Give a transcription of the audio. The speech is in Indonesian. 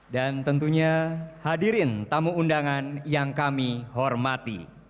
dan tentunya hadirin tamu undangan yang kami hormati